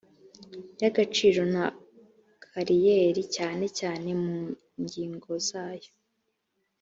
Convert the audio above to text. y agaciro na kariyeri cyane cyane mu ngingozayo